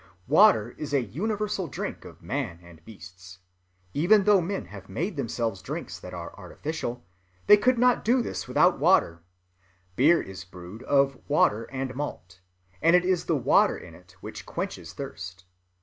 Water is a universal drink of man and beasts. Even though men have made themselves drinks that are artificial, they could not do this without water. Beer is brewed of water and malt, and it is the water in it which quenches thirst.